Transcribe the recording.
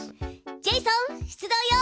ジェイソン出動よ！